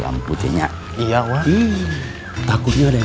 yang sudah nyersain itu kunnen